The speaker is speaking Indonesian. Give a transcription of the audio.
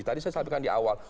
tadi saya sampaikan di awal